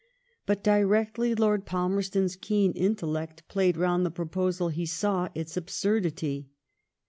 Bat directly Lord Palmer* ston's keen intellect played round the proposal he saw its absurdity.